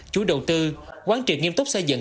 chú đầu tư quán triệt nghiêm túc xây dựng